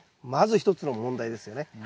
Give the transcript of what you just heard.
まず一つの問題ですよね。